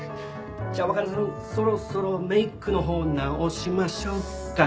じゃ若菜さんそろそろメークの方直しましょうかね。